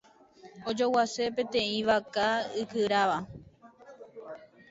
Ajoguase peteĩ vaka ikyráva.